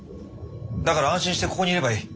だから安心してここにいればいい。